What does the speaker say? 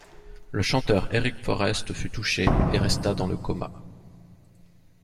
Le chanteur Eric Forrest fut touché et resta dans le coma.